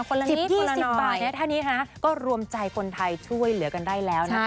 คนละนี้คนละหน่อยถ้านี้ฮะก็รวมใจคนไทยช่วยเหลือกันได้แล้วนะคะ